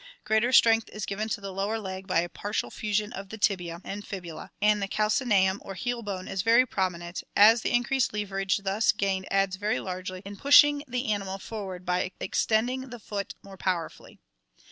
Greater strength is given to the lower leg by a partial fusion of the tibia and fibula, and the calcaneum or heel bone is very prominent, as the increased leverage thus gained aids very largely in pushing the 3i4 ORGANIC EVOLUTION animal forward by extending the foot more powerfully.